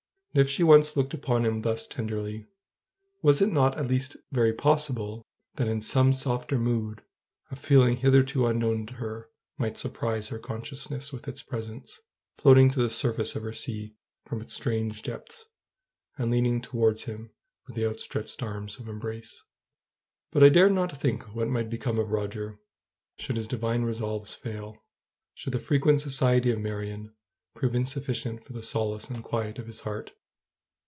and if she once looked upon him thus tenderly, was it not at least very possible, that, in some softer mood, a feeling hitherto unknown to her might surprise her consciousness with its presence, floating to the surface of her sea from its strange depths, and leaning towards him with the outstretched arms of embrace? But I dared not think what might become of Roger should his divine resolves fail, should the frequent society of Marion prove insufficient for the solace and quiet of his heart.